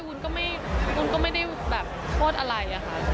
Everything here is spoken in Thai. วุ้นก็ไม่ได้แบบโทษอะไรอะค่ะ